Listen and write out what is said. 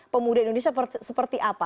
pemuda indonesia seperti apa